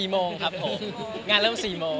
๔โมงครับผมงานเริ่ม๔โมง